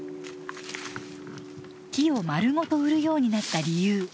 木をまるごと売るようになった理由